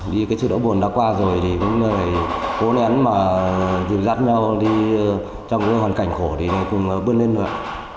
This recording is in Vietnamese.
đi cái chế độ buồn đã qua rồi thì cũng phải cố nén mà dừng dắt nhau đi trong cái hoàn cảnh khổ thì cũng bước lên nữa ạ